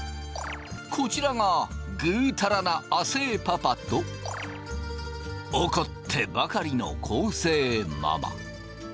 こちらがグータラな亜生パパと怒ってばかりの昴生ママ！